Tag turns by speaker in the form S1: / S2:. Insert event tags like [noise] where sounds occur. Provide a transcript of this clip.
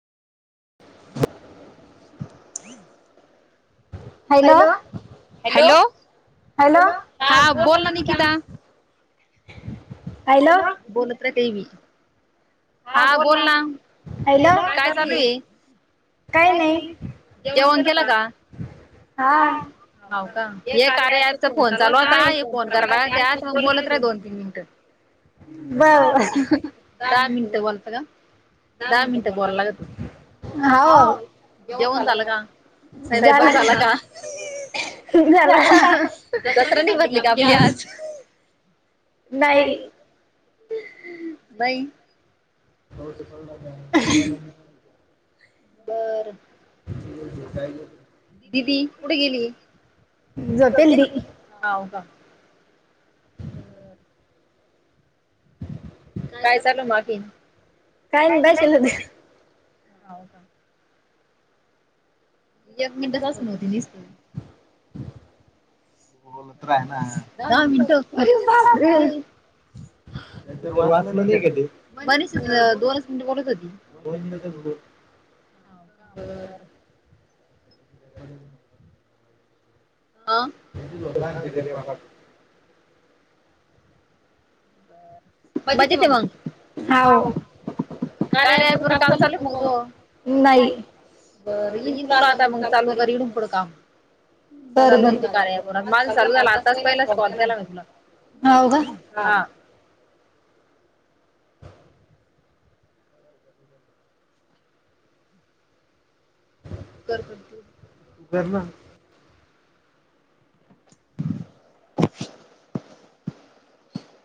S1: [inaudible] Hello hello. Hello हा बोल ना निकिता. हॅलो बोलत रहा काही बी. हा बोल ना, काय चालू ये. काय नाही जेवण केलं का. हांव हांव का हे कार्या ॲपच फोन चालू होता. ये फोन करालेत त्यात मग बोलत रहा दोन. तीन मिनट दहा मिनिटं बोलत का, दहा मिनटं बोलाय लागतं. जेवण झालं का, स्वयंपाक झाला का. झाला जत्रा नाही भरली का आपली आज.
S2: नाही.
S1: नाही.
S2: पाऊस पडला का.
S1: बर दिदी कुठे गेली. हांव का. काय चालू मागीन काय [unintelligible] हांव का. एक मिनिटं असून होती निस्त. आहे ना. दहा मिनिटं. वाचलं नाही का ते, मनिषाच दोन मिनट बोलत होती दोन मिनिटं चं बोल.
S2: हांव का बरं बरं. [unintelligible]
S1: [unintelligible] मजेत ये मग हांव. कार्य ॲप काम चालू ये का मग तो नाही. बरं येईन तुला आता मग चालू कर इतून पुढं काम. चालूच कार्या ॲप वर माझ चालू झालं, आताच पहिलाच कॉल केला मी तुला.
S2: हो का हां.
S1: [inaudible] [unintelligible] [inaudible]